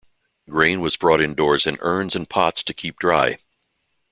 Grain was brought indoors in urns and pots to keep dry.